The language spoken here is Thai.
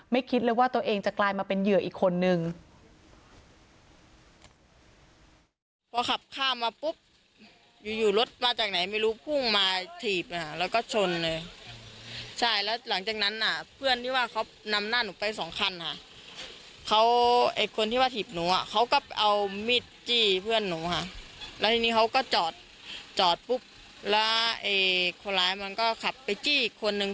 คิดเลยว่าตัวเองจะกลายมาเป็นเหยื่ออีกคนนึง